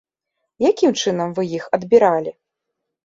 Якім чынам вы іх адбіралі?